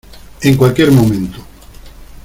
en cualquier momento.